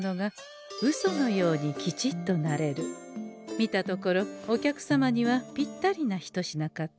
見たところお客様にはぴったりな一品かと。